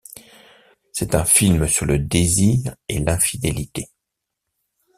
C'est un film sur le désir et l'infidélité.